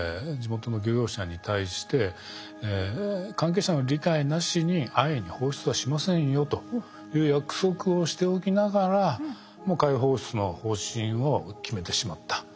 地元の漁業者に対して関係者の理解なしに安易に放出はしませんよという約束をしておきながらも海洋放出の方針を決めてしまった。